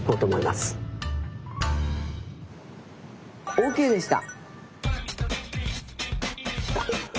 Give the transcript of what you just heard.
ＯＫでした！